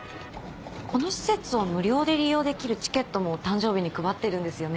この施設を無料で利用できるチケットも誕生日に配ってるんですよね。